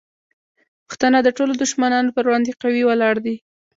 پښتانه د ټولو دشمنانو پر وړاندې قوي ولاړ دي.